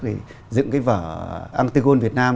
để dựng vở antigone việt nam